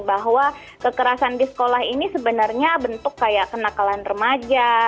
bahwa kekerasan di sekolah ini sebenarnya bentuk kayak kenakalan remaja